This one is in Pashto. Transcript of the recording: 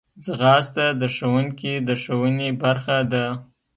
ځغاسته د ښوونکي د ښوونې برخه ده